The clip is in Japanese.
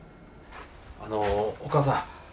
あのお母さん